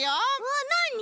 わっなに？